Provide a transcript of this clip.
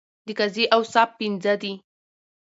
د قاضی اوصاف پنځه دي.